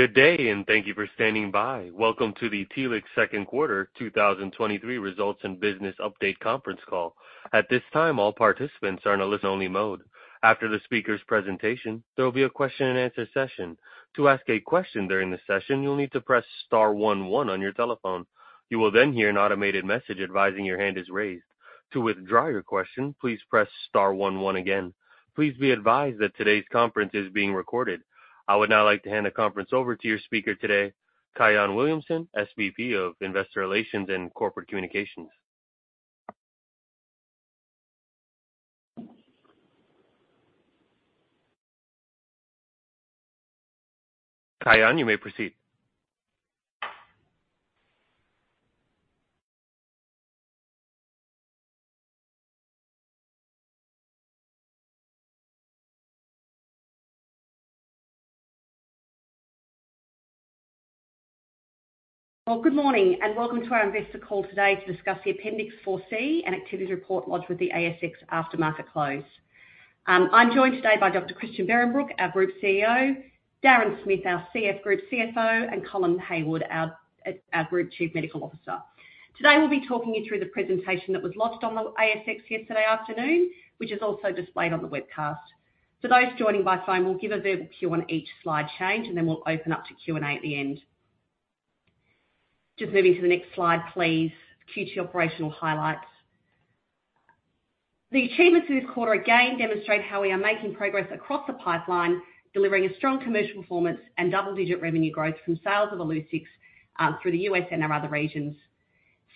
Good day. Thank you for standing by. Welcome to the Telix second quarter, 2023 results and business update conference call. At this time, all participants are in a listen only mode. After the speaker's presentation, there will be a question-and-answer session. To ask a question during the session, you'll need to press star one one on your telephone. You will hear an automated message advising your hand is raised. To withdraw your question, please press star one one again. Please be advised that today's conference is being recorded. I would now like to hand the conference over to your speaker today, Kyahn Williamson, SVP of Investor Relations and Corporate Communications. Kyahn, you may proceed. Well, good morning, welcome to our investor call today to discuss the Appendix 4C and activities report lodged with the ASX after market close. I'm joined today by Dr. Christian Behrenbruch, our Group CEO, Darren Smith, our Group CFO, and Colin Hayward, our Group Chief Medical Officer. Today, we'll be talking you through the presentation that was lodged on the ASX yesterday afternoon, which is also displayed on the webcast. For those joining by phone, we'll give a verbal cue on each slide change, and then we'll open up to Q&A at the end. Just moving to the next slide, please. Q2 operational highlights. The achievements for this quarter, again, demonstrate how we are making progress across the pipeline, delivering a strong commercial performance and double-digit revenue growth from sales of Illuccix through the U.S. and our other regions.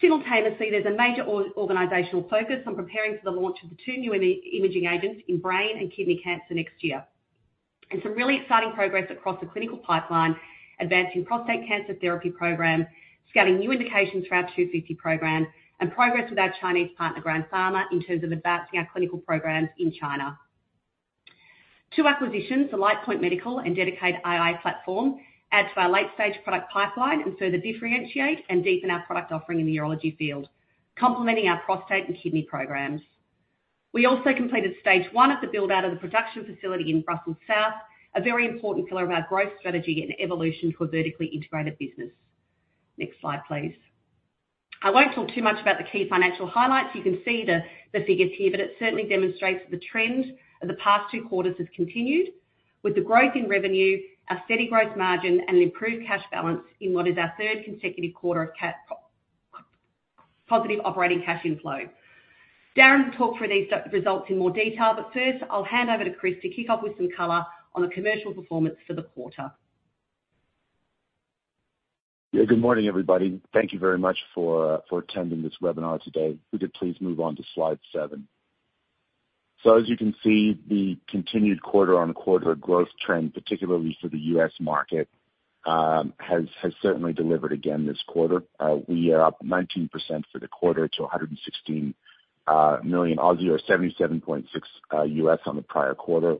Simultaneously, there's a major organizational focus on preparing for the launch of the two new imaging agents in brain and kidney cancer next year. Some really exciting progress across the clinical pipeline, advancing prostate cancer therapy program, scouting new indications for our TLX250 program, and progress with our Chinese partner, Grand Pharmaceutical Group, in terms of advancing our clinical programs in China. acquisitions, the Lightpoint Medical and Dedicaid AI platform, add to our late-stage product pipeline and further differentiate and deepen our product offering in the urology field, complementing our prostate and kidney programs. We also completed stage of the build-out of the production facility in Brussels South, a very important pillar of our growth strategy and evolution to a vertically integrated business. Next slide, please. I won't talk too much about the key financial highlights. You can see the figures here, but it certainly demonstrates that the trend of the past two quarters has continued with the growth in revenue, a steady growth margin, and an improved cash balance in what is our third consecutive quarter of positive operating cash inflow. Darren will talk through these results in more detail, but first, I'll hand over to Chris to kick off with some color on the commercial performance for the quarter. Good morning, everybody. Thank you very much for attending this webinar today. We could please move on to slide seven. As you can see, the continued quarter-on-quarter growth trend, particularly for the U.S. market, has certainly delivered again this quarter. We are up 19% for the quarter to 116 million or $77.6 U.S. on the prior quarter.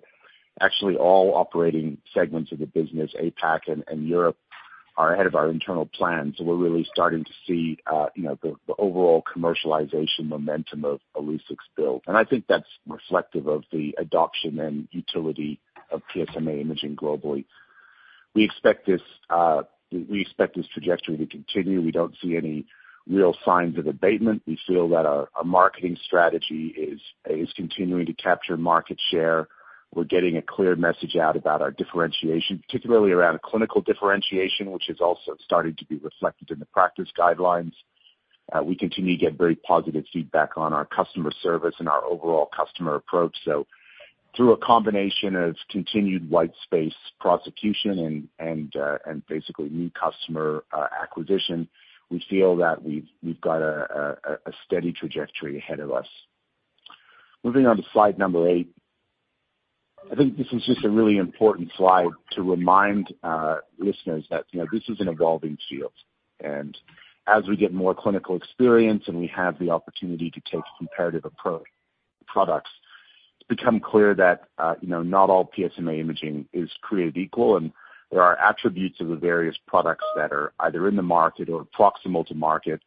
Actually, all operating segments of the business, APAC and Europe, are ahead of our internal plans. We're really starting to see, you know, the overall commercialization momentum of Illuccix build. I think that's reflective of the adoption and utility of PSMA imaging globally. We expect this trajectory to continue. We don't see any real signs of abatement. We feel that our marketing strategy is continuing to capture market share. We're getting a clear message out about our differentiation, particularly around clinical differentiation, which has also started to be reflected in the practice guidelines. We continue to get very positive feedback on our customer service and our overall customer approach. Through a combination of continued white space prosecution and basically new customer acquisition, we feel that we've got a steady trajectory ahead of us. Moving on to slide number eight. I think this is just a really important slide to remind listeners that, you know, this is an evolving field, and as we get more clinical experience and we have the opportunity to take a comparative approach products, it's become clear that, you know, not all PSMA imaging is created equal, and there are attributes of the various products that are either in the market or proximal to market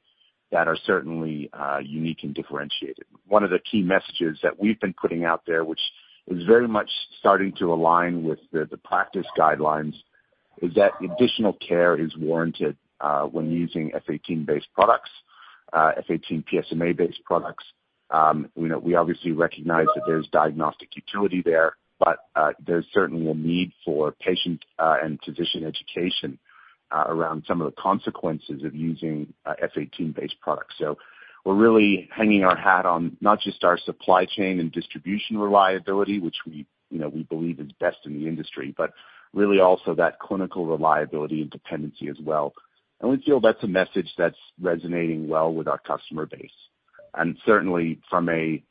that are certainly unique and differentiated. One of the key messages that we've been putting out there, which is very much starting to align with the practice guidelines, is that additional care is warranted when using F-18-based products, F-18 PSMA-based products. We know... We obviously recognize that there's diagnostic utility there, but, there's certainly a need for patient, and physician education, around some of the consequences of using, F-18-based products. We're really hanging our hat on not just our supply chain and distribution reliability, which we, you know, we believe is best in the industry, but really also that clinical reliability and dependency as well. We feel that's a message that's resonating well with our customer base. Certainly from a,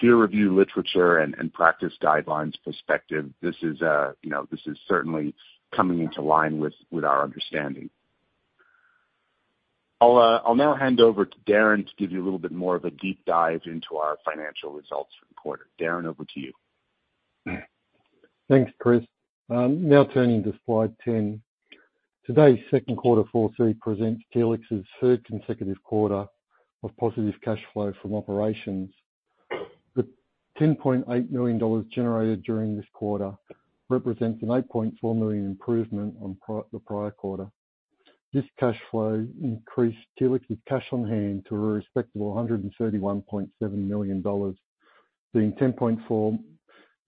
peer review literature and practice guidelines perspective, this is, you know, this is certainly coming into line with our understanding. I'll now hand over to Darren to give you a little bit more of a deep dive into our financial results for the quarter. Darren, over to you. Thanks, Christian. Now turning to slide 10. Today's Q2 4C presents Telix's third consecutive quarter of positive cash flow from operations. The 10.8 million dollars generated during this quarter represents an 8.4 million improvement on the prior quarter. This cash flow increased Telix's cash on hand to a respectable 131.7 million dollars, being 10.4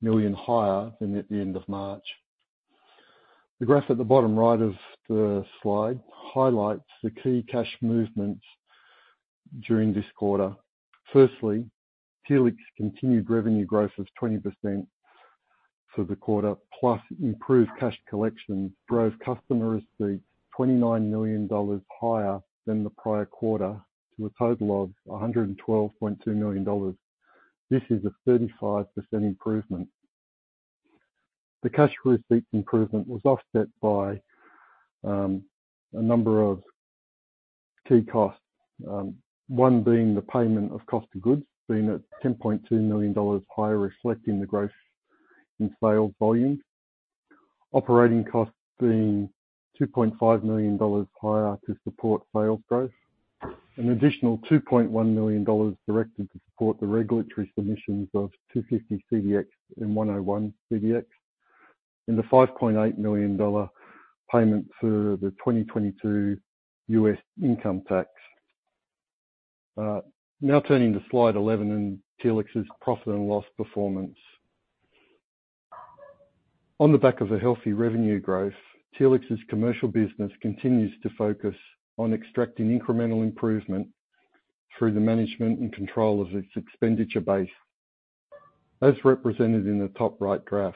million higher than at the end of March. T The graph at the bottom right of the slide highlights the key cash movements during this quarter. Firstly, Telix continued revenue growth of 20% for the quarter, plus improved cash collection, drove customer receipt 29 million dollars higher than the prior quarter, to a total of 112.2 million dollars. This is a 35% improvement. The cash receipt improvement was offset by a number of key costs, one being the payment of cost of goods, being at $10.2 million higher, reflecting the growth in sales volume. Operating costs being $2.5 million higher to support sales growth. An additional $2.1 million directed to support the regulatory submissions of TLX250-CDx and TLX101-CDx, and the $5.8 million payment for the 2022 U.S. income tax. Now turning to slide 11, Telix's profit and loss performance. On the back of a healthy revenue growth, Telix's commercial business continues to focus on extracting incremental improvement through the management and control of its expenditure base. As represented in the top right graph,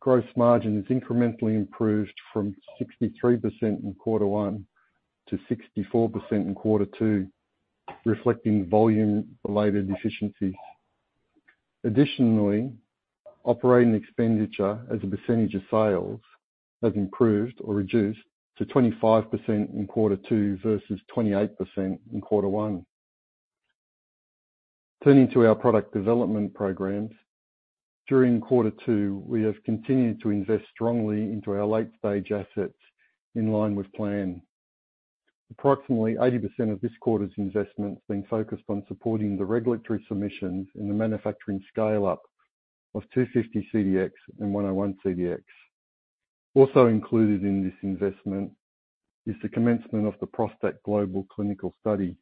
gross margin is incrementally improved from 63% in Q1 to 64% in Q2, reflecting volume-related efficiencies. Operating expenditure as a percentage of sales has improved or reduced to 25% in Q2 versus 28% in Q1. Turning to our product development programs. During Q2, we have continued to invest strongly into our late-stage assets in line with plan. Approximately 80% of this quarter's investments being focused on supporting the regulatory submissions and the manufacturing scale-up of TLX250-CDx and TLX101-CDx. Included in this investment is the commencement of the ProstACT GLOBAL clinical study.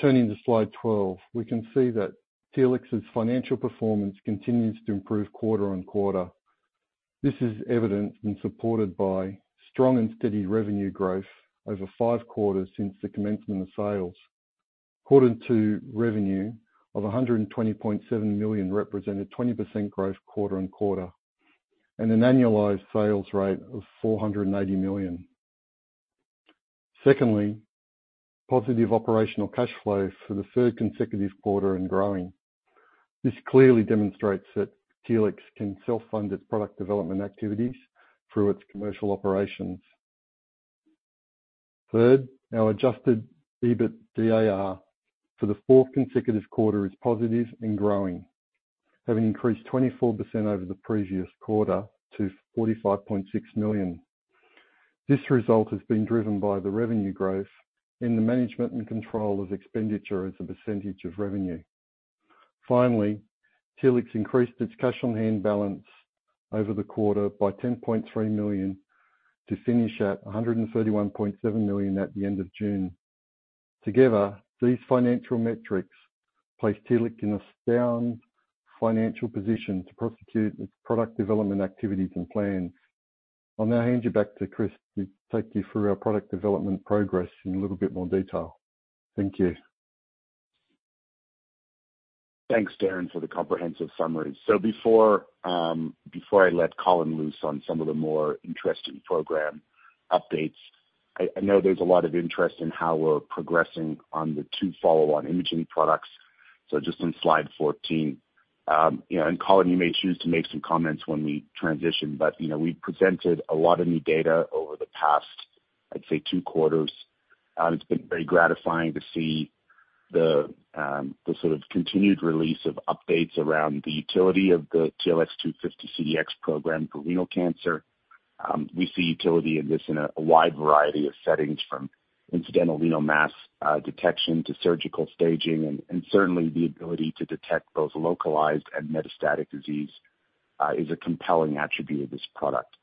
Turning to slide 12, we can see that Telix's financial performance continues to improve quarter-on-quarter. This is evident and supported by strong and steady revenue growth over five quarters since the commencement of sales. Quarter two revenue of 120.7 million represented 20% growth quarter-on-quarter, an annualized sales rate of 480 million. Secondly, positive operational cash flow for the third consecutive quarter and growing. This clearly demonstrates that Telix can self-fund its product development activities through its commercial operations. Third, our adjusted EBITDAR for the fourth consecutive quarter is positive and growing, having increased 24% over the previous quarter to 45.6 million. This result has been driven by the revenue growth and the management and control of expenditure as a percentage of revenue. Telix increased its cash on hand balance over the quarter by 10.3 million, to finish at 131.7 million at the end of June. Together, these financial metrics place Telix in a sound financial position to prosecute its product development activities and plans. I'll now hand you back to Christian to take you through our product development progress in a little bit more detail. Thank you. Thanks, Darren, for the comprehensive summary. Before I let Colin loose on some of the more interesting program updates, I know there's a lot of interest in how we're progressing on the 2 follow-on imaging products. Just on slide 14, you know, and Colin, you may choose to make some comments when we transition, but, you know, we've presented a lot of new data over the past, I'd say, 2 quarters. It's been very gratifying to see the sort of continued release of updates around the utility of the TLX250-CDx program for renal cancer. We see utility in this in a wide variety of settings, from incidental renal mass detection to surgical staging, and certainly the ability to detect both localized and metastatic disease is a compelling attribute of this product.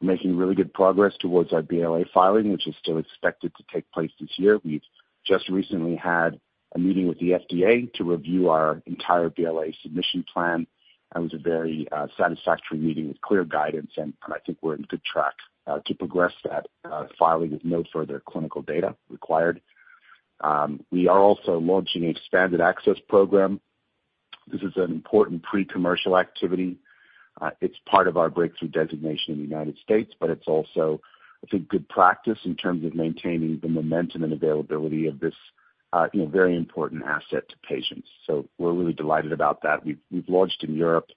Making really good progress towards our BLA filing, which is still expected to take place this year. We've just recently had a meeting with the FDA to review our entire BLA submission plan. That was a very satisfactory meeting with clear guidance. I think we're on good track to progress that filing with no further clinical data required. We are also launching an Expanded Access program. This is an important pre-commercial activity. It's part of our Breakthrough designation in the United States, but it's also, you know, good practice in terms of maintaining the momentum and availability of this very important asset to patients. We're really delighted about that. We've launched in Europe,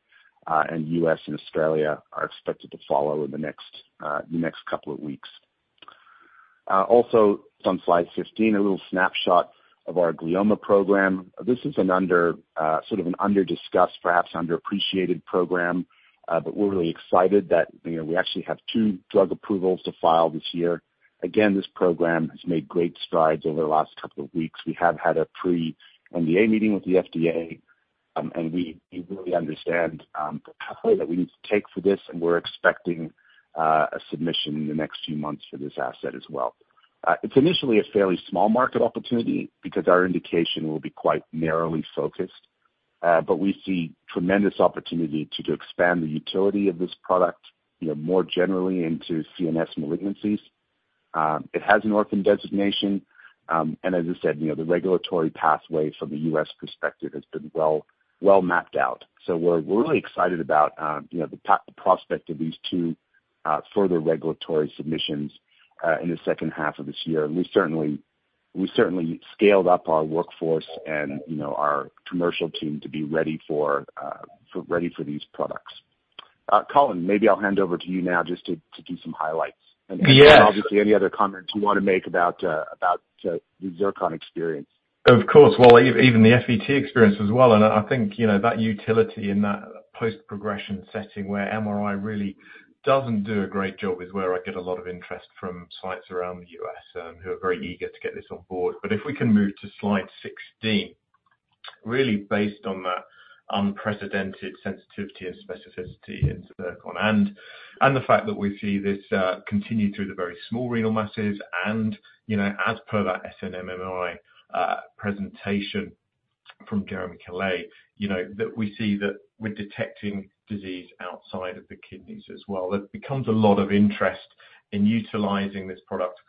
and U.S. and Australia are expected to follow in the next couple of weeks. Also on slide 15, a little snapshot of our glioma program. This is an under, sort of an under-discussed, perhaps underappreciated program, but we're really excited that, you know, we actually have 2 drug approvals to file this year. This program has made great strides over the last couple of weeks. We have had a pre-NDA meeting with the FDA, and we really understand the pathway that we need to take for this, and we're expecting a submission in the next few months for this asset as well. It's initially a fairly small market opportunity, because our indication will be quite narrowly focused, but we see tremendous opportunity to expand the utility of this product, you know, more generally into CNS malignancies. It has an orphan designation, as I said, you know, the regulatory pathway from the U.S. perspective has been well, well mapped out. We're really excited about, you know, the prospect of these two further regulatory submissions in the second half of this year. We certainly, we certainly scaled up our workforce and, you know, our commercial team to be ready for these products. Colin, maybe I'll hand over to you now just to do some highlights. Yes. Obviously, any other comments you Want to make about the ZIRCON experience. Of course. Well, even the FET experience as well, and I think, you know, that utility in that post-progression setting where MRI really doesn't do a great job, is where I get a lot of interest from sites around the U.S., who are very eager to get this on board. If we can move to slide 16, really based on that unprecedented sensitivity and specificity in ZIRCON, and the fact that we see this continue through the very small renal masses and, you know, as per that SNMMI presentation from Jeremie Calais, you know, that we see that we're detecting disease outside of the kidneys as well. It becomes a lot of interest in utilizing this product,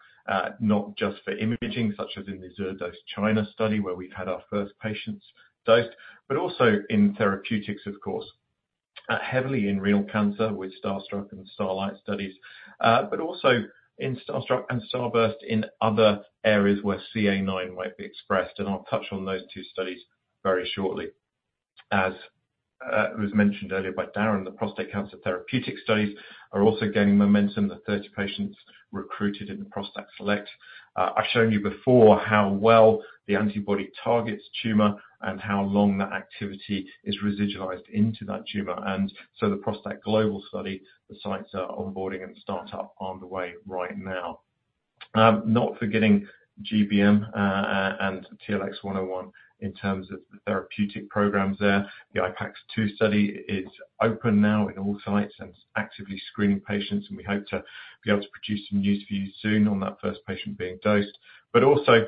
not just for imaging, such as in the zero dose China study, where we've had our first patients dosed, but also in therapeutics, of course. Heavily in renal cancer with STARSTRUCK and STARLITE studies, but also in STARSTRUCK and STARBURST in other areas where CA9 might be expressed, and I'll touch on those two studies very shortly. As it was mentioned earlier by Darren, the prostate cancer therapeutic studies are also gaining momentum. The 30 patients recruited in the ProstACT SELECT. I've shown you before how well the antibody targets tumor and how long that activity is residualized into that tumor. The ProstACT GLOBAL study, the sites are onboarding and start up on the way right now. Not forgetting GBM, and TLX101, in terms of the therapeutic programs there. The IPAX-2 study is open now in all sites and actively screening patients, and we hope to be able to produce some news for you soon on that first patient being dosed. Also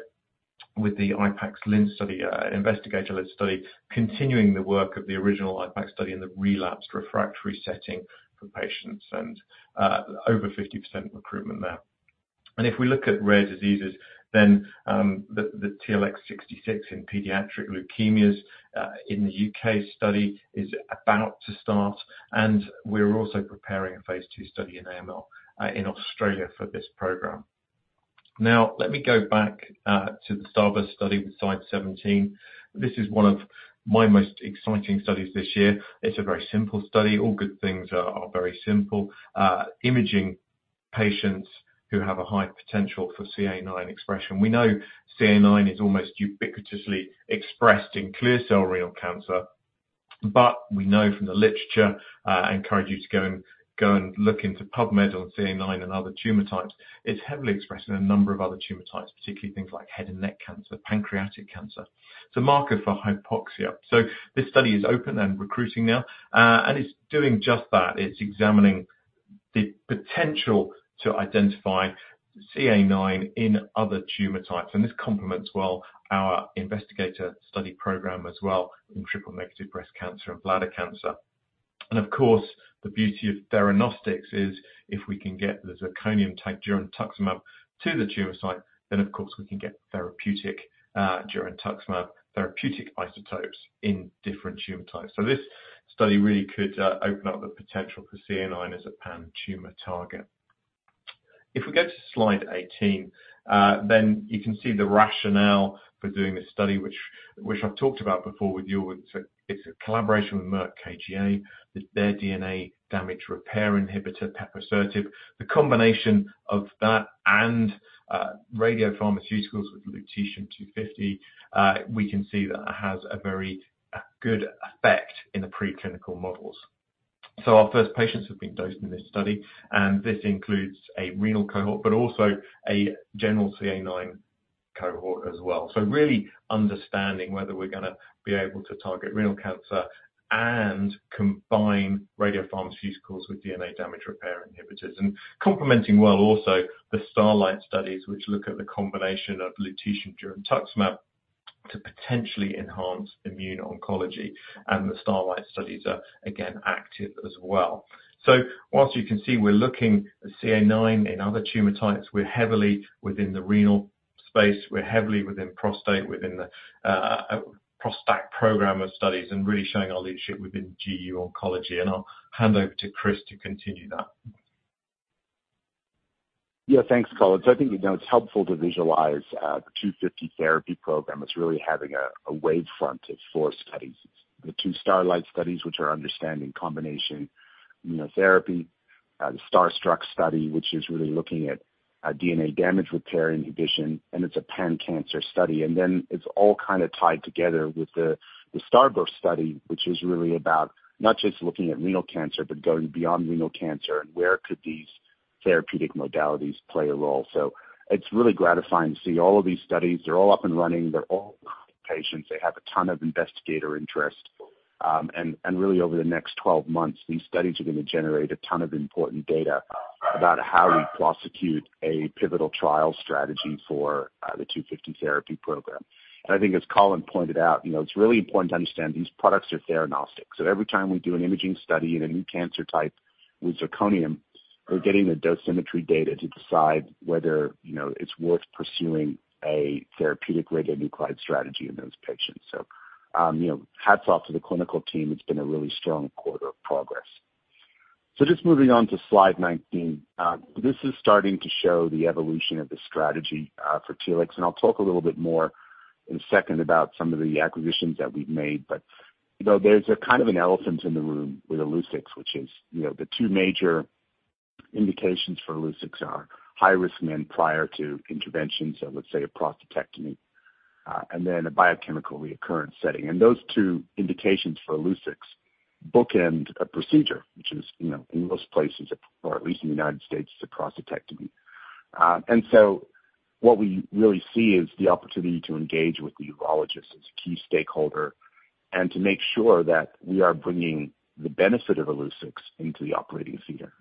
with the IPAX-Linz study, investigator-led study, continuing the work of the original IPAX study in the relapsed refractory setting for patients and 50% recruitment there. If we look at rare diseases, then, the TLX66 in pediatric leukemias in the UK study is about to start, and we're also preparing a Phase II study in AML in Australia for this program. Let me go back to the STARBURST study with slide 17. This is one of my most exciting studies this year. It's a very simple study. All good things are very simple. Imaging patients who have a high potential for CA9 expression. We know CA9 is almost ubiquitously expressed in clear cell renal cancer. We know from the literature, I encourage you to go and look into PubMed on CA9 and other tumor types. It's heavily expressed in a number of other tumor types, particularly things like head and neck cancer, pancreatic cancer. It's a marker for hypoxia. This study is open and recruiting now, and it's doing just that. It's examining the potential to identify CA9 in other tumor types, and this complements well our investigator study program as well in triple negative breast cancer and bladder cancer. Of course, the beauty of theranostics is if we can get the zirconium tagged girentuximab to the tumor site, then of course we can get girentuximab therapeutic isotopes in different tumor types. This study really could open up the potential for CA9 as a pan-tumor target. If we go to slide 18, you can see the rationale for doing this study, which I've talked about before with you. It's a collaboration with Merck KGaA, with their DNA damage repair inhibitor, peposertib. The combination of that and radiopharmaceuticals with lutetium-250, we can see that it has a very good effect in the preclinical models. Our first patients have been dosed in this study, and this includes a renal cohort, but also a general CA9 cohort as well. Really understanding whether we're going to be able to target renal cancer and combine radiopharmaceuticals with DNA damage repair inhibitors. Complementing well also the STARLITE studies, which look at the combination of lutetium girentuximab to potentially enhance immune oncology. The STARLITE studies are, again, active as well. Whilst you can see we're looking at CA9 in other tumor types, we're heavily within the renal space, we're heavily within prostate, within the ProstACT program of studies and really showing our leadership within GU oncology. I'll hand over to Chris to continue that. Yeah, thanks, Colin. I think, you know, it's helpful to visualize the 250 therapy program. It's really having a wave front of 4 studies. The 2 STARLITE studies, which are understanding combination. The Starstruck study, which is really looking at DNA damage repair inhibition, and it's a pan-cancer study. It's all kind of tied together with the Starburst study, which is really about not just looking at renal cancer, but going beyond renal cancer, and where could these therapeutic modalities play a role? It's really gratifying to see all of these studies. They're all up and running. They're all patients. They have a ton of investigator interest. Really, over the next 12 months, these studies are going to generate a ton of important data about how we prosecute a pivotal trial strategy for the TLX250 therapy program. I think as Colin pointed out, you know, it's really important to understand these products are theranostics. Every time we do an imaging study in a new cancer type with zirconium, we're getting the dosimetry data to decide whether, you know, it's worth pursuing a therapeutic radionuclide strategy in those patients. You know, hats off to the clinical team. It's been a really strong quarter of progress. Just moving on to slide 19. This is starting to show the evolution of the strategy for Telix, and I'll talk a little bit more in a second about some of the acquisitions that we've made. You know, there's a kind of an elephant in the room with Illuccix, which is, you know, the two major indications for Illuccix are high-risk men prior to intervention, so let's say a prostatectomy, and then a biochemical recurrence setting. Those two indications for Illuccix bookend a procedure which is, you know, in most places, or at least in the United States, a prostatectomy. What we really see is the opportunity to engage with the urologist as a key stakeholder and to make sure that we are bringing the benefit of Illuccix into the operating theater.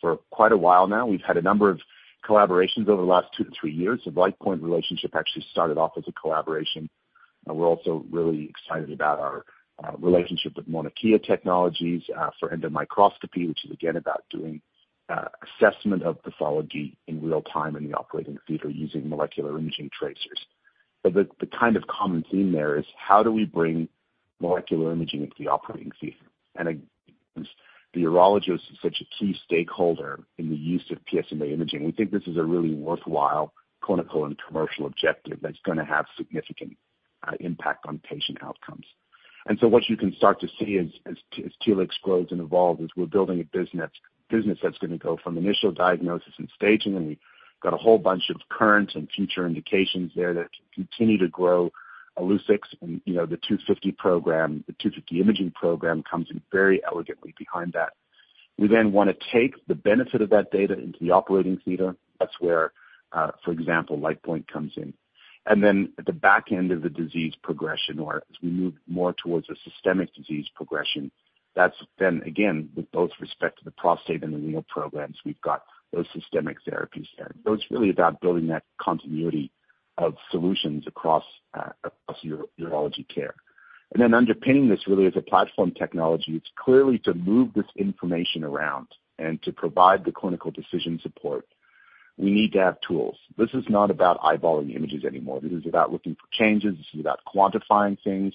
For quite a while now, we've had a number of collaborations over the last two to three years. The LightPoint relationship actually started off as a collaboration. We're also really excited about our relationship with Mauna Kea Technologies for endomicroscopy, which is again, about doing assessment of pathology in real-time in the operating theater using molecular imaging tracers. The kind of common theme there is how do we bring molecular imaging into the operating theater? The urologist is such a key stakeholder in the use of PSMA imaging. We think this is a really worthwhile clinical and commercial objective that's going to have significant impact on patient outcomes. What you can start to see as Telix grows and evolves, is we're building a business that's going to go from initial diagnosis and staging, and we've got a whole bunch of current and future indications there that can continue to grow Illuccix. You know, the 250 program, the 250 imaging program, comes in very elegantly behind that. We then Want to take the benefit of that data into the operating theater. That's where, for example, Lightpoint comes in. At the back end of the disease progression, or as we move more towards a systemic disease progression, that's then again, with both respect to the prostate and the renal programs, we've got those systemic therapies there. It's really about building that continuity of solutions across urology care. Underpinning this really is a platform technology. It's clearly to move this information around and to provide the clinical decision support, we need to have tools. This is not about eyeballing images anymore. This is about looking for changes, this is about quantifying things,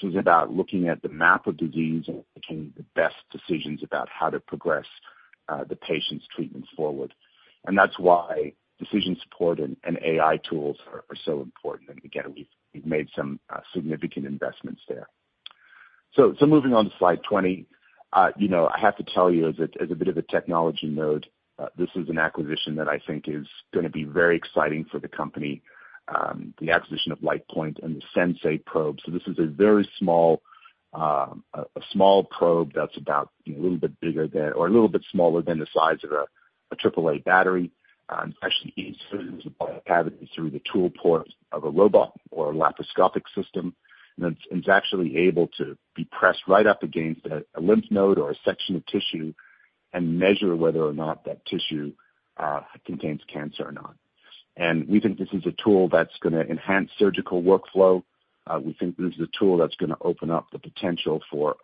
this is about looking at the map of disease and making the best decisions about how to progress, the patient's treatments forward. That's why decision support and AI tools are so important. Again, we've made some significant investments there. Moving on to slide 20. you know, I have to tell you, as a bit of a technology nerd, this is an acquisition that I think is going to be very exciting for the company, the acquisition of Lightpoint and the SENSEI probe. This is a very small, a small probe that's about, you know, a little bit bigger than, or a little bit smaller than the size of a triple A battery, actually easily fits through the body cavity through the tool port of a robot or a laparoscopic system. It's actually able to be pressed right up against a lymph node or a section of tissue and measure whether or not that tissue, contains cancer or not. We think this is a tool that's going to enhance surgical workflow. We think this is a tool that's going to open up the potential for,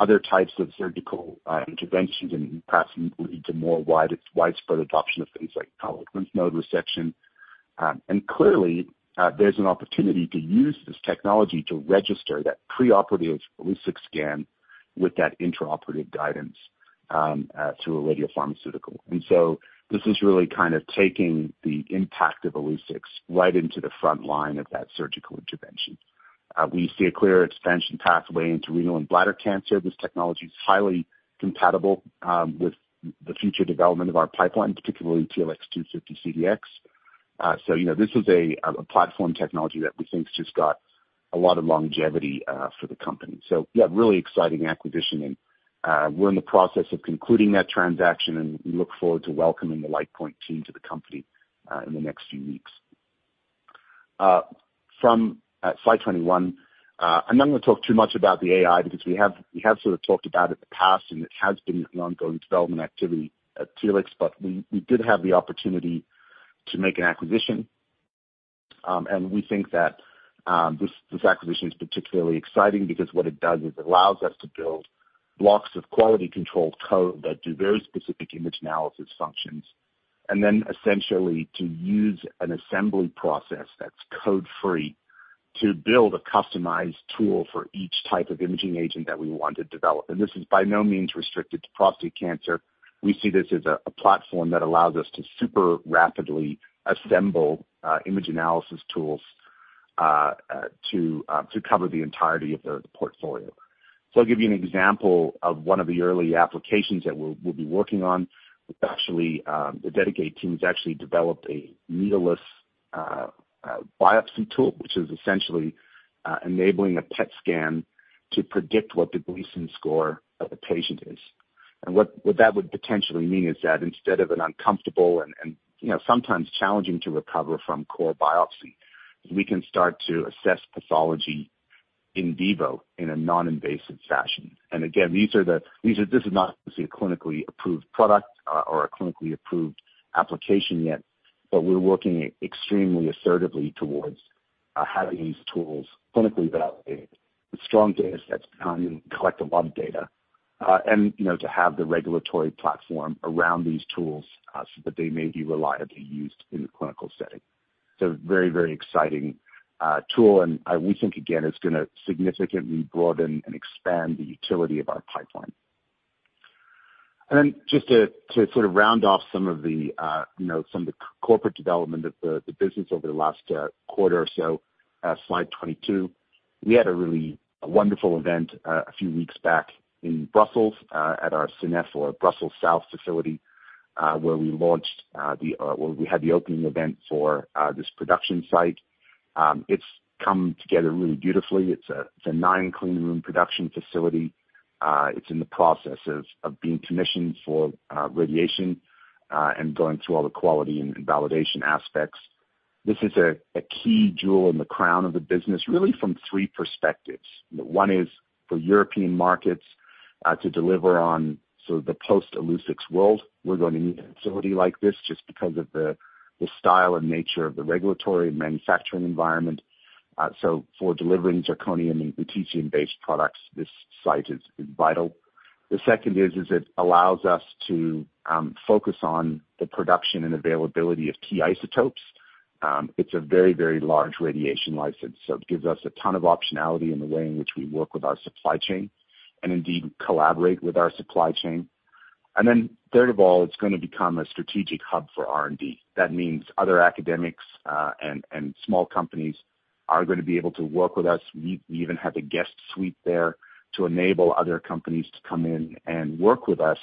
other types of surgical, interventions and perhaps lead to more widespread adoption of things like lymph node resection. Clearly, there's an opportunity to use this technology to register that preoperative Illuccix scan with that intraoperative guidance through a radiopharmaceutical. This is really kind of taking the impact of Illuccix right into the front line of that surgical intervention. We see a clear expansion pathway into renal and bladder cancer. This technology is highly compatible with the future development of our pipeline, particularly TLX250-CDx. You know, this is a platform technology that we think's just got a lot of longevity for the company. Yeah, really exciting acquisition, and we're in the process of concluding that transaction, and we look forward to welcoming the Lightpoint team to the company in the next few weeks. From slide 21. I'm not going to talk too much about the AI because we have sort of talked about it in the past, and it has been an ongoing development activity at Telix, but we did have the opportunity to make an acquisition. And we think that this acquisition is particularly exciting because what it does is it allows us to build blocks of quality controlled code that do very specific image analysis functions, and then essentially to use an assembly process that's code-free, to build a customized tool for each type of imaging agent that we want to develop. And this is by no means restricted to prostate cancer. We see this as a platform that allows us to super rapidly assemble image analysis tools to cover the entirety of the portfolio. I'll give you an example of one of the early applications that we'll be working on, which actually, the Dedicaid team has actually developed a needleless biopsy tool, which is essentially enabling a PET scan to predict what the Gleason score of a patient is. What that would potentially mean is that instead of an uncomfortable and, you know, sometimes challenging to recover from core biopsy, we can start to assess pathology in vivo in a non-invasive fashion. Again, this is not obviously a clinically approved product, or a clinically approved application yet, but we're working extremely assertively towards having these tools clinically validated with strong data sets behind them, collect a lot of data, and, you know, to have the regulatory platform around these tools, so that they may be reliably used in the clinical setting. Very, very exciting tool, and we think, again, it's going to significantly broaden and expand the utility of our pipeline. Just to sort of round off some of the, you know, some of the corporate development of the business over the last quarter or so, slide 22. We had a really wonderful event, a few weeks back in Brussels, at our Seneffe or Brussels South facility, where we had the opening event for this production site. It's come together really beautifully. It's a 9 clean room production facility. It's in the process of being commissioned for radiation and going through all the quality and validation aspects. This is a key jewel in the crown of the business, really from 3 perspectives. One is for European markets, to deliver on sort of the post-Illuccix world. We're going to need a facility like this just because of the style and nature of the regulatory and manufacturing environment. For delivering zirconium and ruthenium-based products, this site is vital. The second is it allows us to focus on the production and availability of key isotopes. It's a very, very large radiation license, so it gives us a ton of optionality in the way in which we work with our supply chain, and indeed collaborate with our supply chain. Third of all, it's going to become a strategic hub for R&D. That means other academics, and small companies are going to be able to work with us. We even have a guest suite there to enable other companies to come in and work with us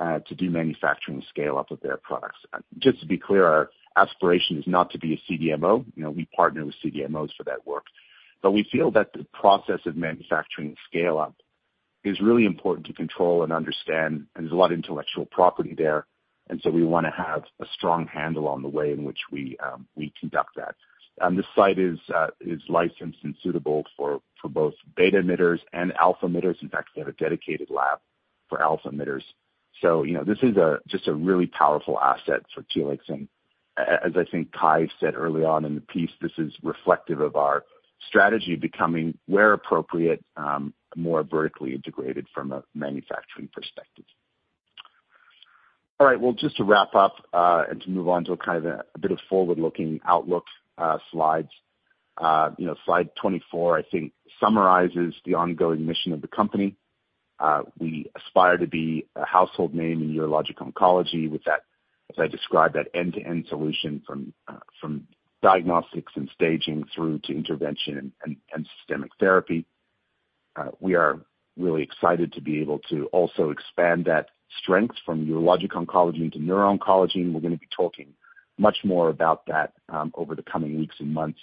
to do manufacturing scale-up of their products. Just to be clear, our aspiration is not to be a CDMO. You know, we partner with CDMOs for that work. We feel that the process of manufacturing scale-up is really important to control and understand, and there's a lot of intellectual property there, and so we Want to have a strong handle on the way in which we conduct that. This site is licensed and suitable for both beta emitters and alpha emitters. In fact, they have a dedicated lab for alpha emitters. You know, this is just a really powerful asset for Telix. As I think Kai said early on in the piece, this is reflective of our strategy becoming, where appropriate, more vertically integrated from a manufacturing perspective. Well, just to wrap up and to move on to a kind of a bit of forward-looking outlook slides. You know, slide 24, I think, summarizes the ongoing mission of the company. We aspire to be a household name in urologic oncology with that, as I described, that end-to-end solution from diagnostics and staging through to intervention and systemic therapy. We are really excited to be able to also expand that strength from urologic oncology into neuro-oncology. We're going to be talking much more about that over the coming weeks and months.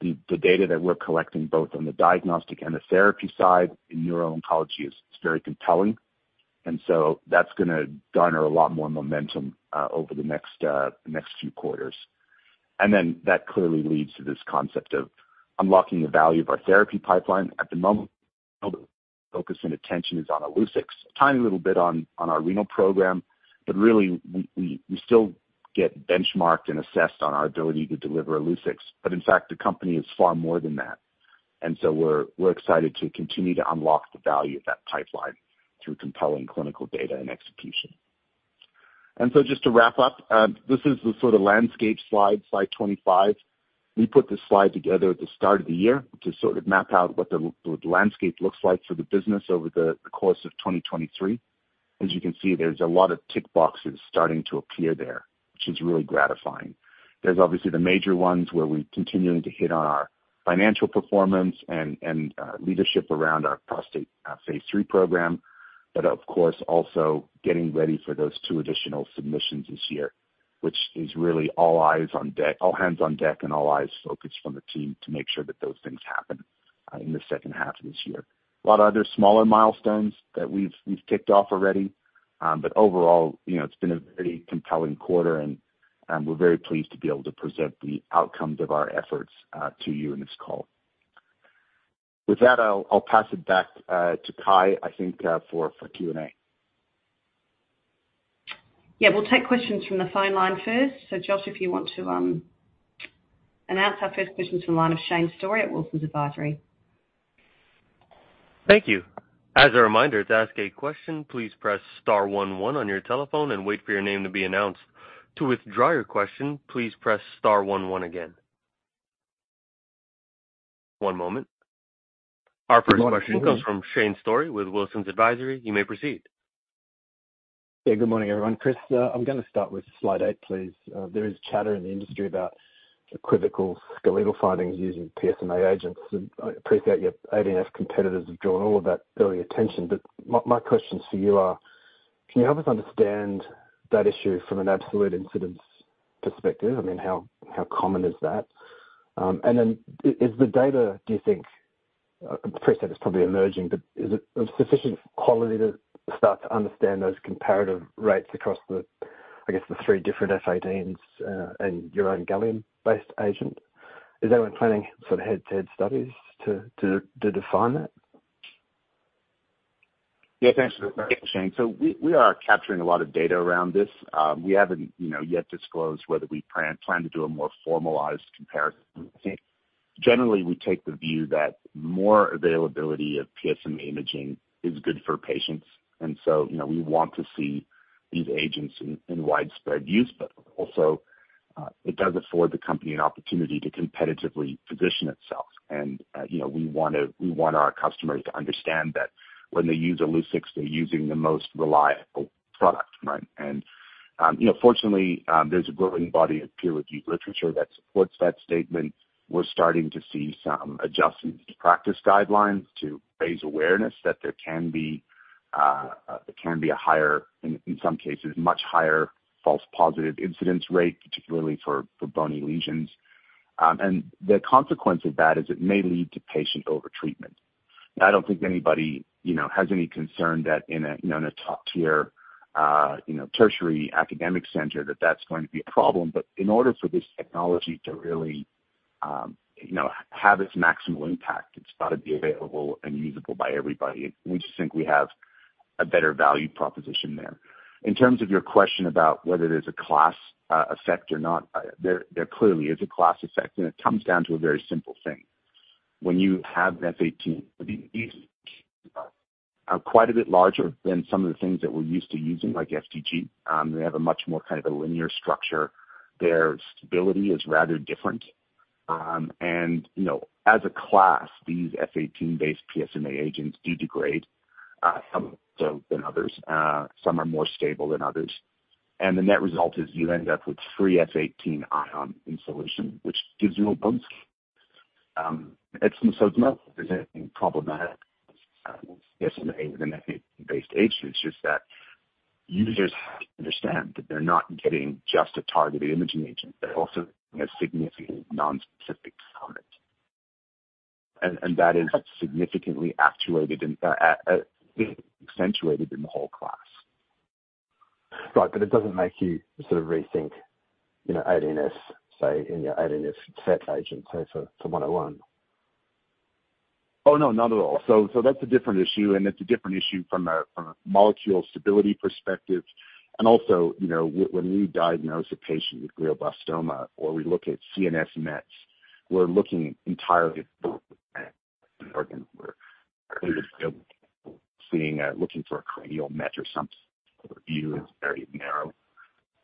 The data that we're collecting, both on the diagnostic and the therapy side in neuro-oncology is very compelling. That's going to garner a lot more momentum over the next few quarters. Then that clearly leads to this concept of unlocking the value of our therapy pipeline. At the moment, focus and attention is on Illuccix. A tiny little bit on our renal program. Really, we still get benchmarked and assessed on our ability to deliver Illuccix. In fact, the company is far more than that. We're excited to continue to unlock the value of that pipeline through compelling clinical data and execution. Just to wrap up, this is the sort of landscape slide 25. We put this slide together at the start of the year to sort of map out what the landscape looks like for the business over the course of 2023. You can see, there's a lot of tick boxes starting to appear there, which is really gratifying. There's obviously the major ones, where we're continuing to hit on our financial performance and leadership around our prostate phase 3 program. Of course, also getting ready for those 2 additional submissions this year, which is really All hands on deck, and all eyes focused from the team to make sure that those things happen in the second half of this year. A lot of other smaller milestones that we've ticked off already, but overall, you know, it's been a very compelling quarter, and we're very pleased to be able to present the outcomes of our efforts to you in this call. That, I'll pass it back to Kai, I think, for Q&A. We'll take questions from the phone line first. Josh, if you want to announce our first questions from the line of Shane Storey at Wilsons Advisory. Thank you. As a reminder, to ask a question, please press star one one on your telephone and wait for your name to be announced. To withdraw your question, please press star one one again. One moment. Our first question comes from Shane Storey with Wilsons Advisory. You may proceed. Yeah, good morning, everyone. Christian, I'm going to start with slide 8, please. There is chatter in the industry about equivocal skeletal findings using PSMA agents. I appreciate your ADC competitors have drawn all of that early attention, but my questions to you are: Can you help us understand that issue from an absolute incidence perspective? I mean, how common is that? Is the data, do you think, preset is probably emerging, but is it of sufficient quality to start to understand those comparative rates across the, I guess, the three different F-18s, and your own gallium-based agent? Is anyone planning sort of head-to-head studies to define that? Yeah, thanks for the question, Shane. We are capturing a lot of data around this. We haven't, you know, yet disclosed whether we plan to do a more formalized comparison. Generally, we take the view that more availability of PSMA imaging is good for patients, you know, we want to see these agents in widespread use. Also, it does afford the company an opportunity to competitively position itself, you know, we want our customers to understand that when they use Illuccix, they're using the most reliable product, right? You know, fortunately, there's a growing body of peer-reviewed literature that supports that statement. We're starting to see some adjustments to practice guidelines to raise awareness that there can be a higher, in some cases, much higher false positive incidence rate, particularly for bony lesions. The consequence of that is it may lead to patient overtreatment. I don't think anybody, you know, has any concern that in a, you know, in a top-tier, you know, tertiary academic center, that that's going to be a problem. In order for this technology to really, you know, have its maximal impact, it's got to be available and usable by everybody. We just think we have a better value proposition there. In terms of your question about whether there's a class effect or not, there clearly is a class effect, and it comes down to a very simple thing. When you have an F-18, these are quite a bit larger than some of the things that we're used to using, like FDG. They have a much more kind of a linear structure. Their stability is rather different. You know, as a class, these F-18-based PSMA agents do degrade, some so than others. Some are more stable than others. The net result is you end up with free F-18 ion in solution, which gives you a bone. It's not problematic, PSMA with an F-18 based agent. It's just that users have to understand that they're not getting just a targeted imaging agent, they're also getting a significant non-specific component. That is significantly actuated in, accentuated in the whole class. Right, it doesn't make you sort of rethink, you know, ADNS, say, in your ADNS set agent, say, for one-on-one? No, not at all. That's a different issue, and it's a different issue from a molecule stability perspective. you know, when we diagnose a patient with glioblastoma, or we look at CNS Mets, we're looking entirely at organ. We're seeing, looking for a cranial met or some view is very narrow.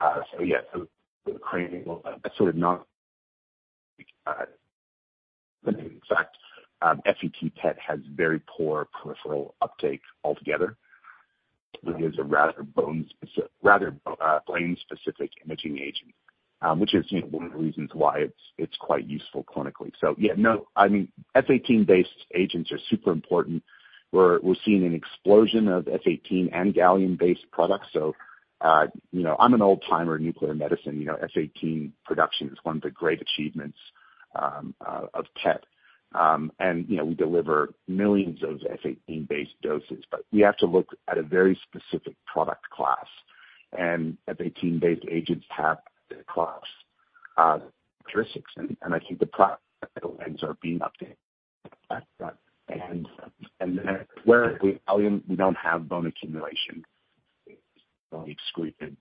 the cranial, that's sort of not. In fact, FET PET has very poor peripheral uptake altogether. It is a rather bone-specific, rather brain-specific imaging agent, which is, you know, one of the reasons why it's quite useful clinically. No, I mean, F-18 based agents are super important. We're seeing an explosion of F-18 and gallium-based products. you know, I'm an old-timer in nuclear medicine. You know, F-18 production is one of the great achievements of PET. You know, we deliver millions of F-18 based doses, but we have to look at a very specific product class, and F-18 based agents have the class characteristics, and I think the product lens are being updated. Where we, gallium, we don't have bone accumulation, only excluded.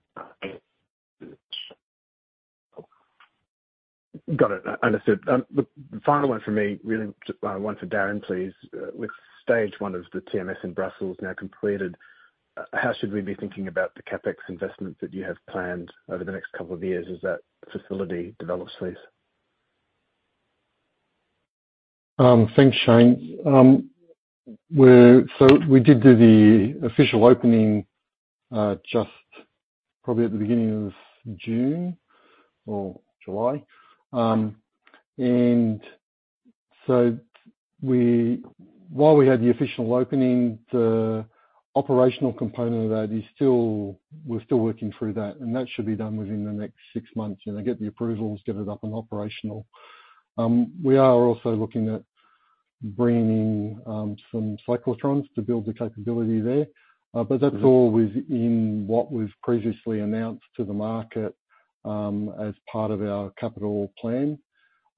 Got it. Understood. The final one for me, really, one for Darren, please. With stage one of the TMS in Brussels now completed, how should we be thinking about the CapEx investment that you have planned over the next couple of years as that facility develops, please? Thanks, Shane. We did do the official opening just probably at the beginning of June or July. While we had the official opening, the operational component of that is still, we're still working through that, and that should be done within the next 6 months. You know, get the approvals, get it up and operational. We are also looking at bringing in some cyclotrons to build the capability there. That's all within what we've previously announced to the market as part of our capital plan.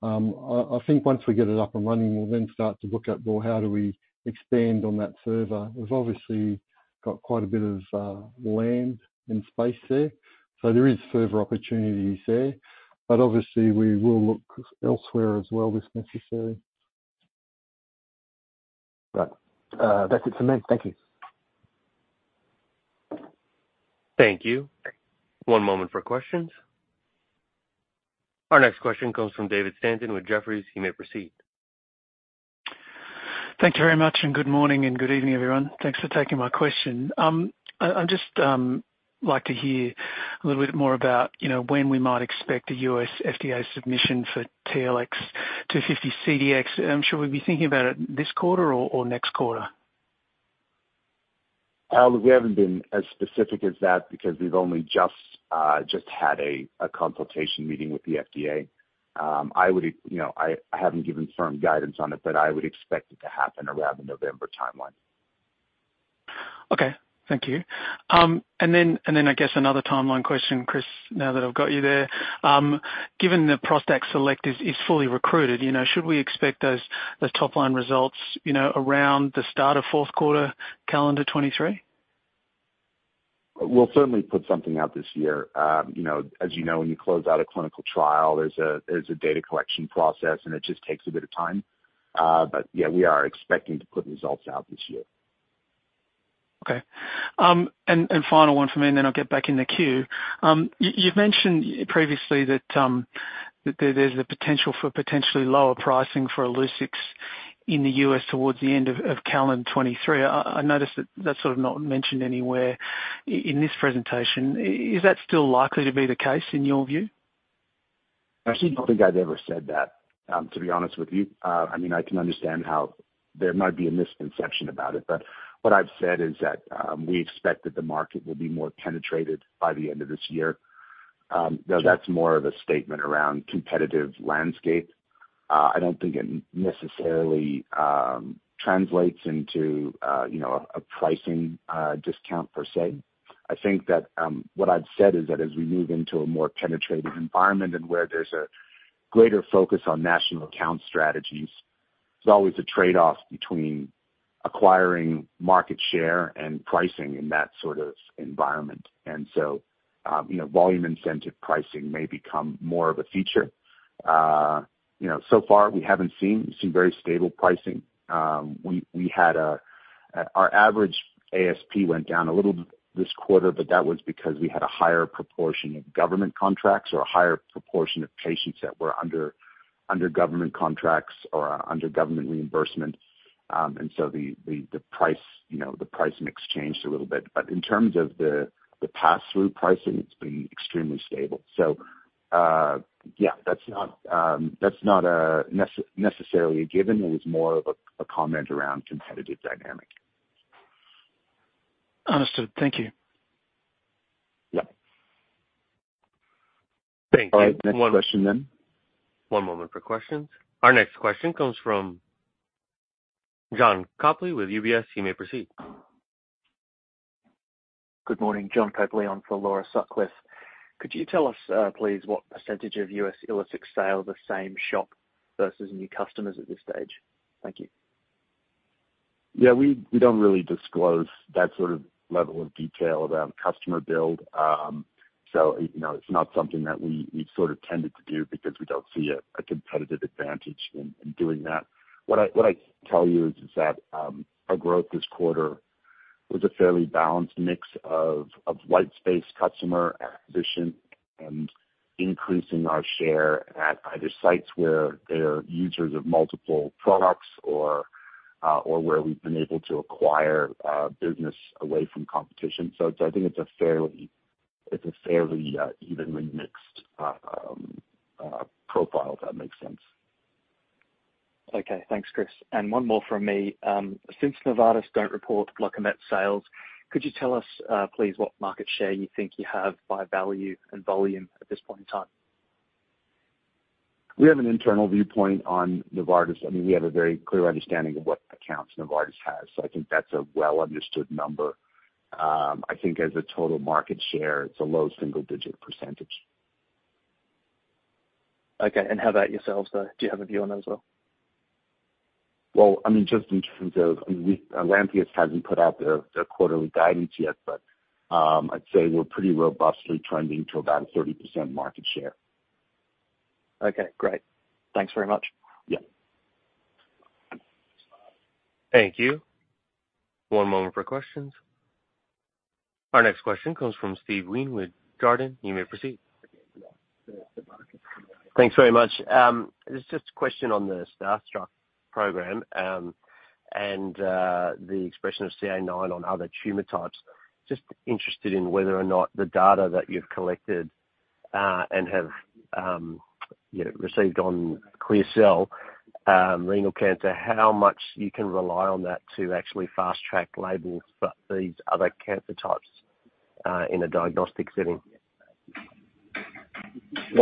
I think once we get it up and running, we'll start to look at, well, how do we expand on that further? We've obviously got quite a bit of, land and space there. There is further opportunity there. Obviously we will look elsewhere as well, if necessary. Right. That's it for me. Thank you. Thank you. One moment for questions. Our next question comes from David Stanton with Jefferies. You may proceed. Thank you very much, and good morning, and good evening, everyone. Thanks for taking my question. I'd just like to hear a little bit more about, you know, when we might expect the U.S. FDA submission for TLX250-CDx. I'm sure we'd be thinking about it this quarter or next quarter? Well, we haven't been as specific as that, because we've only just had a consultation meeting with the FDA. I would, you know, I haven't given firm guidance on it, but I would expect it to happen around the November timeline. Okay. Thank you. I guess another timeline question, Chris, now that I've got you there. Given that ProstACT SELECT is fully recruited, you know, should we expect those top line results, you know, around the start of fourth quarter, calendar 2023? We'll certainly put something out this year. You know, as you know, when you close out a clinical trial, there's a data collection process. It just takes a bit of time. Yeah, we are expecting to put results out this year. Okay. And final one from me, and then I'll get back in the queue. You've mentioned previously that there's the potential for potentially lower pricing for Illuccix in the U.S. towards the end of calendar 2023. I noticed that that's sort of not mentioned anywhere in this presentation. Is that still likely to be the case in your view? I actually don't think I've ever said that, to be honest with you. I mean, I can understand how there might be a misconception about it, but what I've said is that we expect that the market will be more penetrated by the end of this year. Though that's more of a statement around competitive landscape. I don't think it necessarily translates into, you know, a pricing, discount per se. I think that what I've said is that as we move into a more penetrated environment and where there's a greater focus on national account strategies, there's always a trade-off between acquiring market share and pricing in that sort of environment. So, you know, volume incentive pricing may become more of a feature. You know, so far we've seen very stable pricing. We had a our average ASP went down a little this quarter, but that was because we had a higher proportion of government contracts or a higher proportion of patients that were under government contracts or under government reimbursement. The price, you know, the pricing mix changed a little bit. In terms of the pass-through pricing, it's been extremely stable. Yeah, that's not necessarily a given. It was more of a comment around competitive dynamic. Understood. Thank you. Yeah. Thanks. All right, next question then. One moment for questions. Our next question comes from John Copley with UBS. You may proceed. Good morning, John Copley on for Laura Sutcliffe. Could you tell us, please, what % of U.S. Illuccix sales are same-shop versus new customers at this stage? Thank you. We don't really disclose that sort of level of detail around customer build. You know, it's not something that we've sort of tended to do because we don't see a competitive advantage in doing that. What I can tell you is that our growth this quarter was a fairly balanced mix of white space customer acquisition and increasing our share at either sites where they're users of multiple products or where we've been able to acquire business away from competition. I think it's a fairly evenly mixed profile, if that makes sense. Okay. Thanks, Christian. One more from me. Since Novartis don't report Locametz sales, could you tell us, please, what market share you think you have by value and volume at this point in time? We have an internal viewpoint on Novartis. I mean, we have a very clear understanding of what accounts Novartis has, so I think that's a well-understood number. I think as a total market share, it's a low single-digit %. Okay. How about yourselves, though? Do you have a view on that as well? I mean, just in terms of, I mean, Lantheus hasn't put out their quarterly guidance yet, I'd say we're pretty robustly trending to about a 30% market share. Okay, great. Thanks very much. Yeah. Thank you. One moment for questions. Our next question comes from Steven Wheen with Jarden. You may proceed. Thanks very much. It's just a question on the STARSTRUCK program, and the expression of CA9 on other tumor types. Just interested in whether or not the data that you've collected, and have, you know, received on clear cell, renal cancer, how much you can rely on that to actually fast-track labels for these other cancer types, in a diagnostic setting?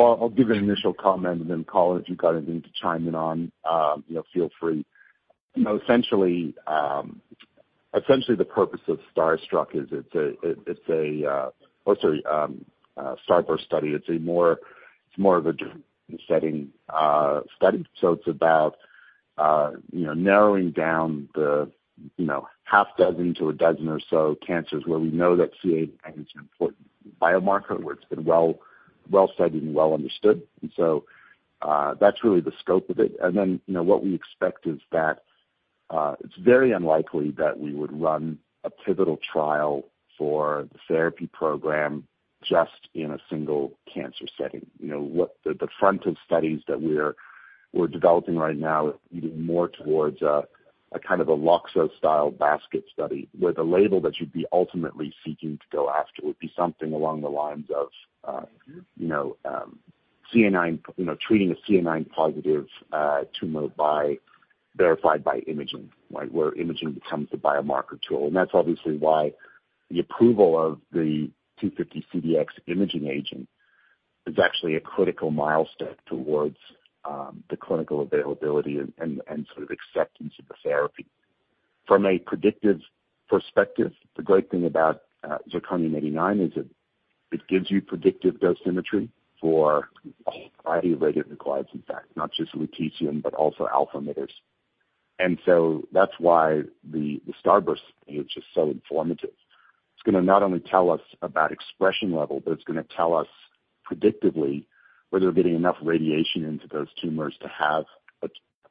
I'll give an initial comment and then, Colin, if you've got anything to chime in on, you know, feel free. You know, essentially the purpose of STARSTRUCK is it's a... Oh, sorry, STARBURST study. It's more of a setting study, so it's about, you know, narrowing down the, you know, half dozen to a dozen or so cancers where we know that CA9 is an important biomarker, where it's been well studied and well understood. That's really the scope of it. You know, what we expect is that it's very unlikely that we would run a pivotal trial for the therapy just in a single cancer setting. What the front-end studies that we're developing right now is leaning more towards a kind of a Loxo style basket study, where the label that you'd be ultimately seeking to go after would be something along the lines of, you know, CA9, you know, treating a CA9 positive tumor by verified by imaging, right? Imaging becomes the biomarker tool. That's obviously why the approval of the 250-CDx imaging agent is actually a critical milestone towards the clinical availability and sort of acceptance of the therapy. From a predictive perspective, the great thing about Zirconium-89 is it gives you predictive dosimetry for a whole variety of radiant requirements, in fact, not just lutetium, but also alpha emitters. That's why the STARBURST image is so informative. It's going to not only tell us about expression level, but it's going to tell us predictively whether we're getting enough radiation into those tumors to have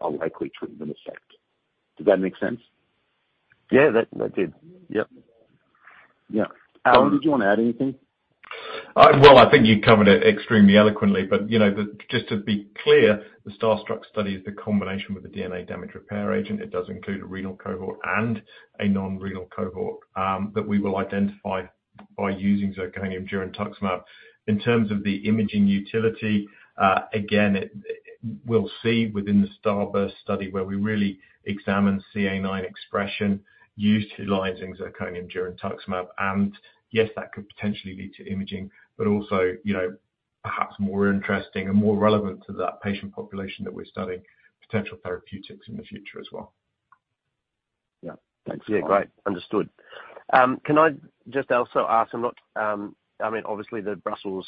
a likely treatment effect. Did that make sense? Yeah, that did. Yes. Yeah. Alan, did you want to add anything? Well, I think you covered it extremely eloquently, but, you know, just to be clear, the STARSTRUCK study is the combination with the DNA damage repair agent. It does include a renal cohort and a non-renal cohort that we will identify by using zirconium girentuximab. In terms of the imaging utility, again, we'll see within the STARBURST study where we really examine CA9 expression utilizing zirconium girentuximab, and yes, that could potentially lead to imaging, but also, you know, perhaps more interesting and more relevant to that patient population that we're studying, potential therapeutics in the future as well. Yeah. Thanks. Great. Understood. Can I just also ask, I mean, obviously, the Brussels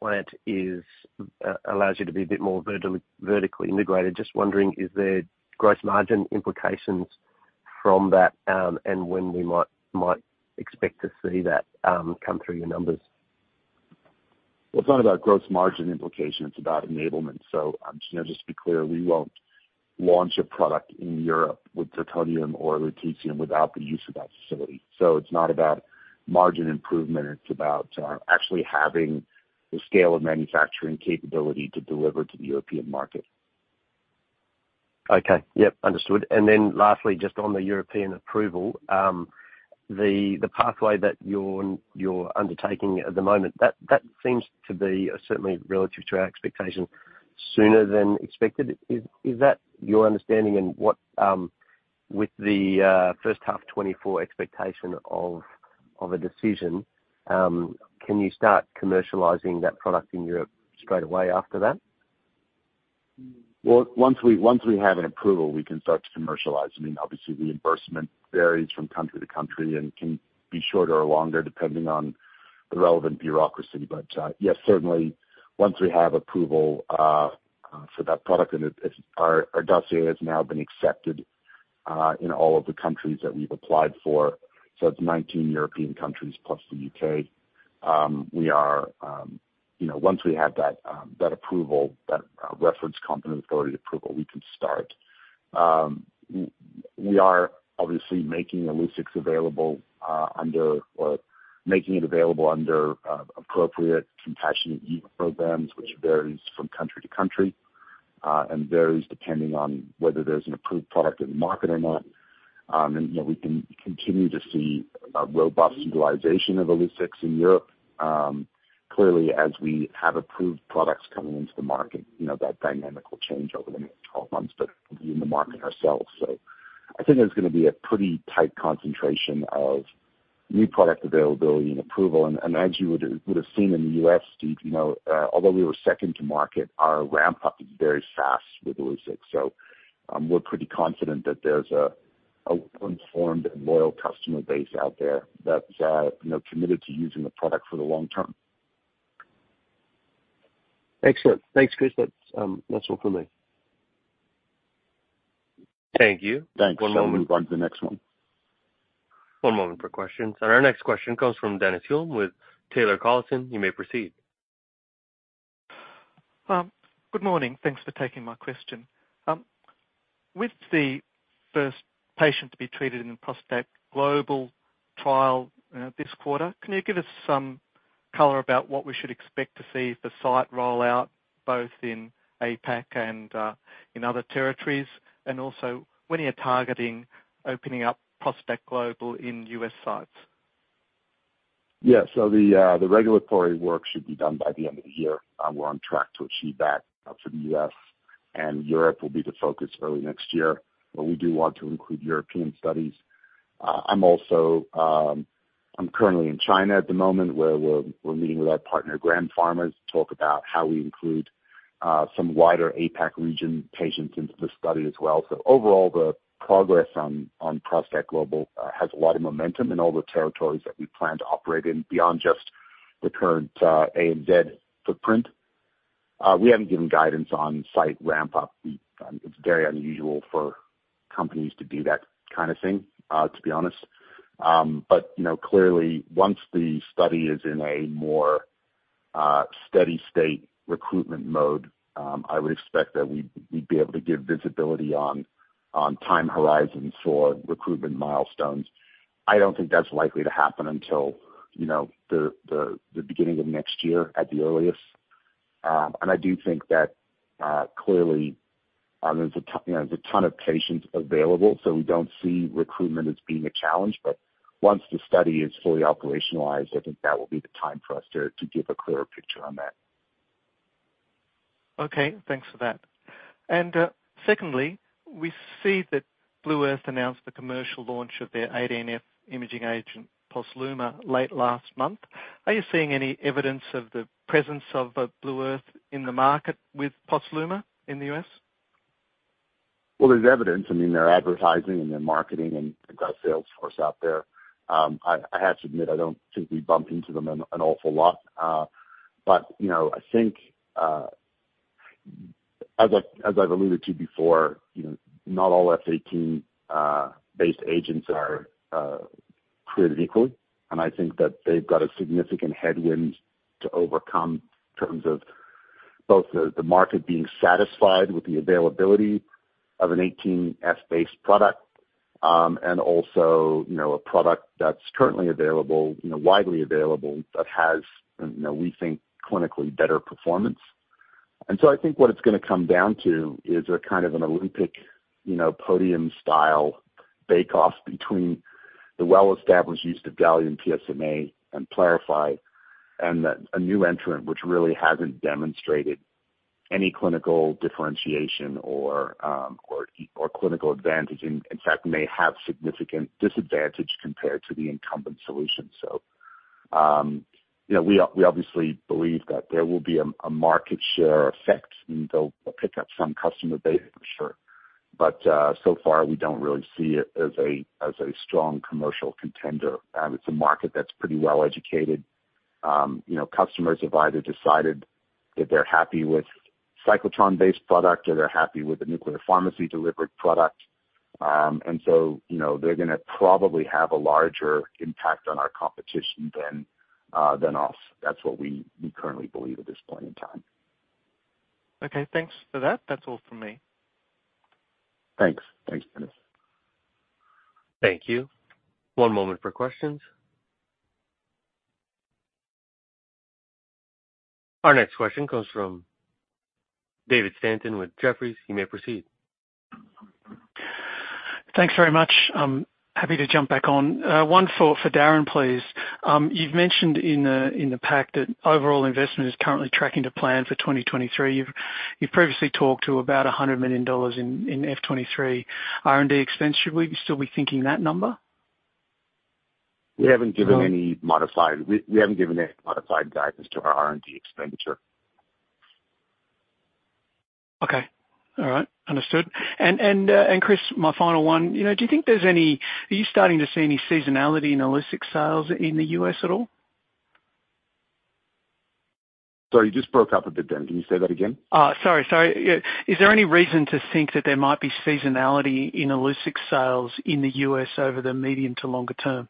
plant is allows you to be a bit more vertically integrated. Just wondering, is there gross margin implications from that, and when we might expect to see that come through your numbers? Well, it's not about gross margin implication, it's about enablement. You know, just to be clear, we won't launch a product in Europe with zirconium or lutetium without the use of that facility. It's not about margin improvement, it's about actually having the scale and manufacturing capability to deliver to the European market. Okay. Yes, understood. Lastly, just on the European approval, the pathway that you're undertaking at the moment, that seems to be certainly relative to our expectation, sooner than expected. Is, is that your understanding? What, with the first half 2024 expectation of a decision, can you start commercializing that product in Europe straight away after that? Well, once we have an approval, we can start to commercialize. I mean, obviously, the reimbursement varies from country to country and can be shorter or longer, depending on the relevant bureaucracy. Yes, certainly once we have approval for that product, and it's our dossier has now been accepted in all of the countries that we've applied for. It's 19 European countries plus the U.K. We are, you know, once we have that approval, that reference competent authority approval, we can start. We are obviously making Illuccix available under or making it available under appropriate compassionate use programs, which varies from country to country and varies depending on whether there's an approved product in the market or not. We can continue to see a robust utilization of Illuccix in Europe. Clearly, as we have approved products coming into the market, you know, that dynamic will change over the next 12 months, but we're in the market ourselves. I think there's going to be a pretty tight concentration of new product availability and approval. As you would have seen in the U.S., Steve, you know, although we were second to market, our ramp-up is very fast with Illuccix. We're pretty confident that there's a informed and loyal customer base out there that's, you know, committed to using the product for the long term. Excellent. Thanks, Chris. That's all for me. Thank you. Thanks. One moment. We'll move on to the next one. One moment for questions. Our next question comes from Dennis Hulme with Taylor Collison. You may proceed. Good morning. Thanks for taking my question. With the first patient to be treated in the PROSPECT Trial this quarter, can you give us some color about what we should expect to see the site roll out, both in APAC and in other territories? Also, when are you targeting opening up PROSPECT in U.S. sites? The regulatory work should be done by the end of the year. We're on track to achieve that for the US, and Europe will be the focus early next year, but we do want to include European studies. I'm also currently in China at the moment, where we're meeting with our partner, Grand Pharma, to talk about how we include some wider APAC region patients into the study as well. Overall, the progress on PROSPECT has a lot of momentum in all the territories that we plan to operate in, beyond just the current ANZ footprint. We haven't given guidance on site ramp up. It's very unusual for companies to do that kind of thing, to be honest. But, you know, clearly, once the study is in a. steady state recruitment mode, I would expect that we'd be able to give visibility on time horizons for recruitment milestones. I don't think that's likely to happen until, you know, the beginning of next year at the earliest. I do think that, clearly, you know, there's a ton of patients available, so we don't see recruitment as being a challenge. Once the study is fully operationalized, I think that will be the time for us to give a clearer picture on that. Okay, thanks for that. Secondly, we see that Blue Earth announced the commercial launch of their F-18 imaging agent, POSLUMA, late last month. Are you seeing any evidence of the presence of, Blue Earth in the market with POSLUMA in the U.S.? There's evidence. I mean, they're advertising and they're marketing, and they've got a sales force out there. I have to admit, I don't think we bump into them an awful lot. You know, I think, as I've alluded to before, you know, not all F-18 based agents are created equally, and I think that they've got a significant headwind to overcome in terms of both the market being satisfied with the availability of an 18 F-based product, and also, you know, a product that's currently available, you know, widely available, that has, you know, we think, clinically better performance. I think what it's going to come down to is a kind of an Olympic, you know, podium-style bake-off between the well-established use of Gallium PSMA and PYLARIFY, and then a new entrant, which really hasn't demonstrated any clinical differentiation or clinical advantage, in fact, may have significant disadvantage compared to the incumbent solution. You know, we obviously believe that there will be a market share effect, and they'll pick up some customer base for sure, but so far, we don't really see it as a strong commercial contender. It's a market that's pretty well educated. You know, customers have either decided that they're happy with cyclotron-based product, or they're happy with the nuclear pharmacy-delivered product. You know, they're going to probably have a larger impact on our competition than us. That's what we currently believe at this point in time. Okay, thanks for that. That's all from me. Thanks. Dennis. Thank you. One moment for questions. Our next question comes from David Stanton with Jefferies. You may proceed. Thanks very much. I'm happy to jump back on. One thought for Darren, please. You've mentioned in the pack that overall investment is currently tracking to plan for 2023. You've previously talked to about $100 million in F 23 R&D expense. Should we still be thinking that number? We haven't given any modified guidance to our R&D expenditure. Okay. All right. Understood. Christian, my final one, you know, are you starting to see any seasonality in Illuccix sales in the U.S. at all? Sorry, you just broke up a bit then. Can you say that again? Sorry. Is there any reason to think that there might be seasonality in Illuccix sales in the US over the medium to longer term?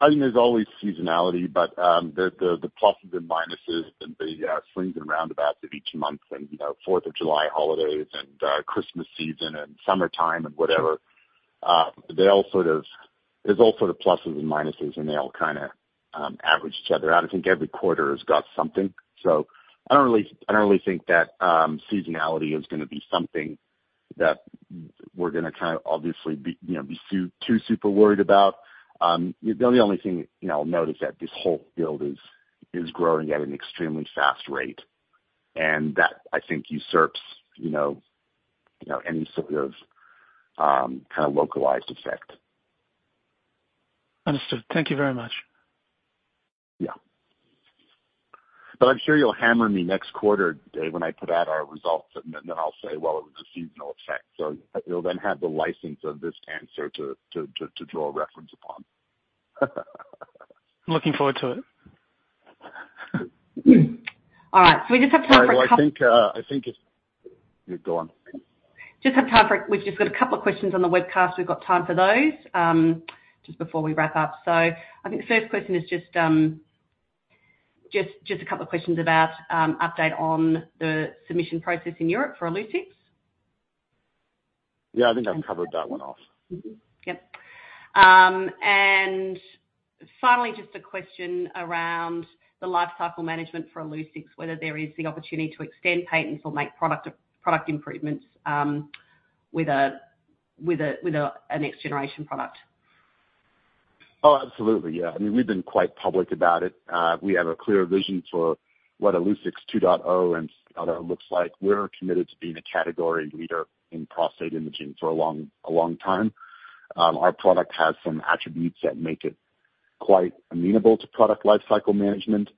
I mean, there's always seasonality. The pluses and minuses and the swings and roundabouts of each month and, you know, Fourth of July holidays and Christmas season and summertime and whatever, there's all sort of pluses and minuses, and they all kind of average each other out. I think every quarter has got something. I don't really think that seasonality is going to be something that we're going to kind of obviously be, you know, be too super worried about. The only thing I'll note is that this whole field is growing at an extremely fast rate, and that I think usurps, you know, any sort of kind of localized effect. Understood. Thank you very much. Yeah. I'm sure you'll hammer me next quarter, David, when I put out our results, and then I'll say, "Well, it was a seasonal effect." You'll then have the license of this answer to draw a reference upon. Looking forward to it. All right, we just have time. I think it's. Go on. We've just got a couple of questions on the webcast. We've got time for those just before we wrap up. I think the first question is just a couple of questions about update on the submission process in Europe for Illuccix. Yeah, I think I've covered that one off. Yes. Finally, just a question around the life cycle management for Illuccix, whether there is the opportunity to extend patents or make product improvements, with a next generation product? Absolutely, yeah. I mean, we've been quite public about it. We have a clear vision for what Illuccix's 2.0 and how that looks like. We're committed to being a category leader in prostate imaging for a long time. Our product has some attributes that make it quite amenable to product life cycle management.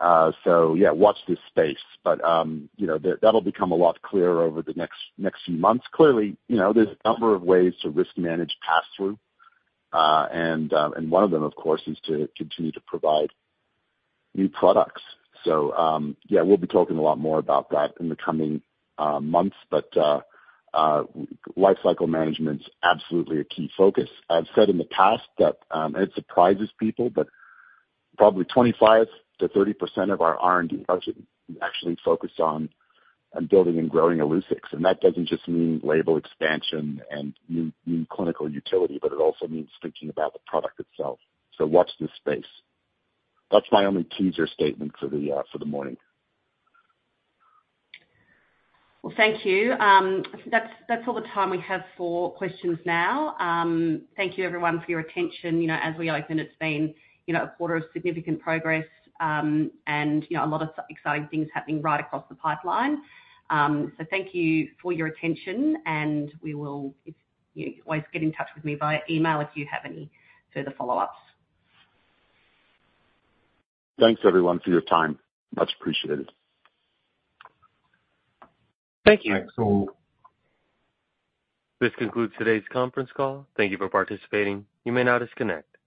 Yeah, watch this space. You know, that'll become a lot clearer over the next few months. Clearly, you know, there's a number of ways to risk manage pass-through, one of them, of course, is to continue to provide new products. Yeah, we'll be talking a lot more about that in the coming months, life cycle management's absolutely a key focus. I've said in the past that, it surprises people, but probably 25%-30% of our R&D budget is actually focused on building and growing Illuccix. That doesn't just mean label expansion and new clinical utility, but it also means thinking about the product itself. Watch this space. That's my only teaser statement for the morning. Well, thank you. That's all the time we have for questions now. Thank you everyone for your attention. You know, as we open, it's been, you know, a quarter of significant progress, and you know, a lot of exciting things happening right across the pipeline. Thank you for your attention, and we will... If you can always get in touch with me via email, if you have any further follow-ups. Thanks, everyone, for your time. Much appreciated. Thank you. Thanks, all. This concludes today's conference call. Thank you for participating. You may now disconnect.